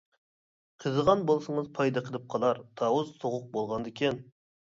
قىزىغان بولسىڭىز پايدا قىلىپ قالار تاۋۇز سوغۇق بولغاندىكىن.